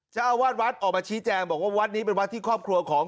เจ้าอาวาสวัดออกมาชี้แจงบอกว่าวัดนี้เป็นวัดที่ครอบครัวของ